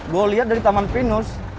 gue lihat dari taman pinus